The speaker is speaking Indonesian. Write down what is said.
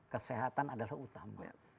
kesehatan adalah utama